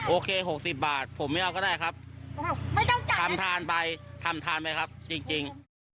โอเคโอเค๖๐บาทผมไม่เอาก็ได้ครับทำทานไปทำทานไปครับจริง